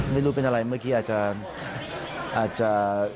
ไม่รู้เป็นอะไรเมื่อกี้อาจจะ